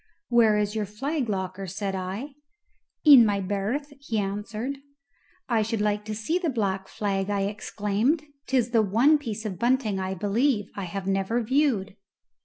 "Where is your flag locker?" said I. "In my berth," he answered. "I should like to see the black flag," I exclaimed: "'tis the one piece of bunting, I believe, I have never viewed."